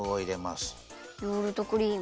ヨーグルトクリーム。